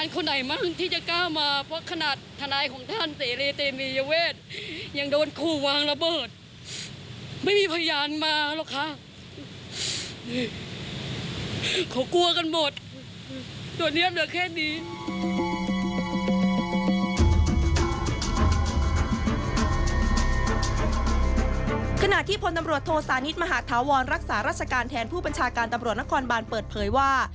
ขณะที่พลตำรวจโทสานิทมหาธาวรรักษาราชการแทนผู้บัญชาการตำรวจนครบานเปิดเผยว่า